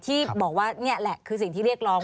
ที่บอกว่านี่แหละคือสิ่งที่เรียกร้อง